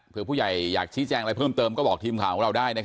เพื่อผู้ใหญ่อยากชี้แจงอะไรเพิ่มเติมก็บอกทีมข่าวของเราได้